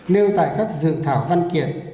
nêu tại các dự thảo văn kiện